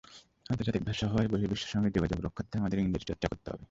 আন্তর্জাতিক ভাষা হওয়ায় বহির্বিশ্বের সঙ্গে যোগাযোগ রক্ষার্থে আমাদের ইংরেজির চর্চা করতে হবে।